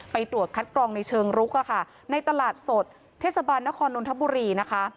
ไปตรวจคัดกล่องในเชิงลุกนะค่ะในตลาดสดเทศบาลนคนนทบุรี